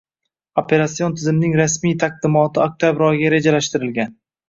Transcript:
Operatsion tizimning rasmiy taqdimoti oktabr oyiga rejalashtirilgan